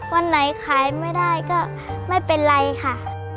วันไหนขายไม่ได้ก็ไม่เป็นไรค่ะ